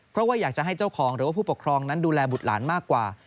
เพราะว่าอยากจะให้เจ้าของหรือว่าผู้ปกครองนั้นดูแลบุตรหลานมากกว่า